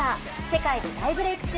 世界で大ブレーク中。